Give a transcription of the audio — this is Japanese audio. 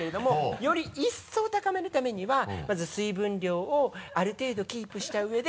より一層高めるためにはまず水分量をある程度キープしたうえで。